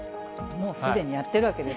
もうすでにやってるわけです